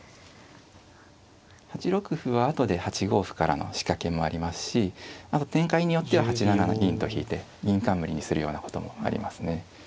８六歩は後で８五歩からの仕掛けもありますしあと展開によっては８七銀と引いて銀冠にするようなこともありますね。